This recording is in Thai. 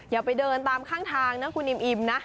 อย่าไปเดินตามข้างทางนะคุณอิมนะ